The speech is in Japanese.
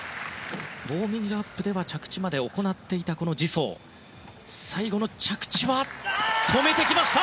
ウォーミングアップでは着地まで行っていましたが最後の着地、止めてきた！